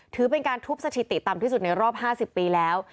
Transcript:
ถือเป็นการทุบสถิติต่ำที่สุดในรอบ๕๐ปีแล้ว